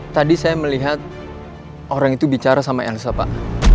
tadi saya melihat orang itu bicara sama elsa pak